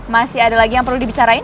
masih ada lagi yang perlu dibicarain